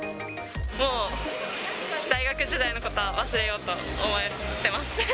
もう大学時代のことは忘れようと思ってます。